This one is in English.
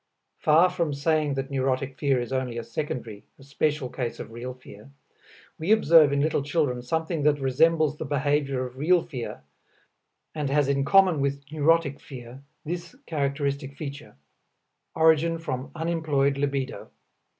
Far from saying that neurotic fear is only a secondary, a special case of real fear, we observe in little children something that resembles the behavior of real fear and has in common with neurotic fear, this characteristic feature: origin from unemployed libido.